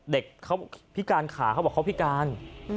เด็กเขาพิการขาเขาบอกเขาพิการ